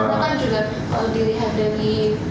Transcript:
karena kan juga dilihat dari